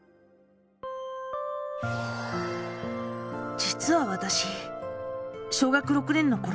実は私小学６年のころ